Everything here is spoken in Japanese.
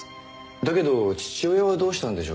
だけど父親はどうしたんでしょうか？